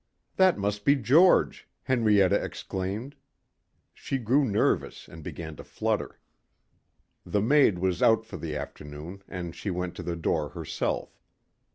"That must be George," Henrietta exclaimed. She grew nervous and began to flutter. The maid was out for the afternoon and she went to the door herself.